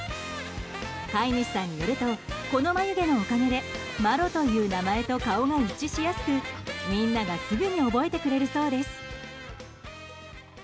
飼い主さんによるとこの眉毛のおかげでマロという名前と顔が一致しやすくみんながすぐに覚えてくれるそうです。